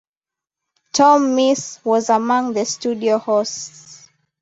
Tom Mees was among the studio hosts.